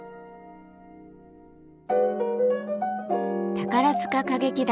宝塚歌劇団